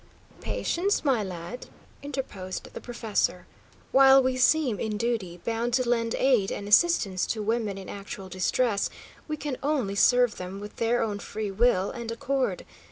"Patience, my lad," interposed the professor. "While we seem in duty bound to lend aid and assistance to women in actual distress, we can only serve them with their own free will and accord.